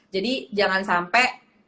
jadi jangan sampe